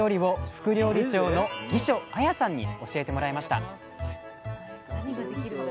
副料理長の議所絢さんに教えてもらいました